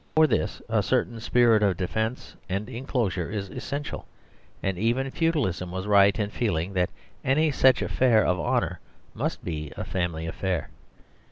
For this a certain spirit of defence and enclosure is essential ; and even feudalism was right in feeling that any such affair of honour must be a family affair.